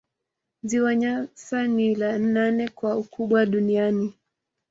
Ziwa Nyasa ni la nane kwa ukubwa duniani